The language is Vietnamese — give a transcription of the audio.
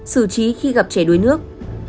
xử trí khi gặp trẻ đuối nước